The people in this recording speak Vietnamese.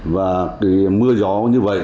và mưa gió như vậy